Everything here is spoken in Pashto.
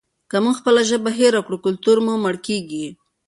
که موږ خپله ژبه هېره کړو کلتور مو مړ کیږي.